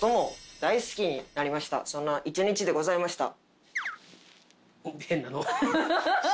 そんな一日でございました。